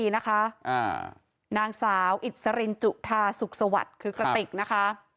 นางสาวอิสรินจุธาสุขสวัสดิ์คือกระติกนะคะ